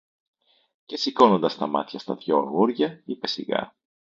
Και σηκώνοντας τα μάτια στα δυο αγόρια, είπε σιγά: